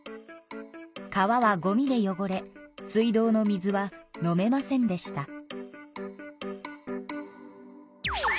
川はゴミでよごれ水道の水は飲めませんでした。